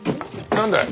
何だい？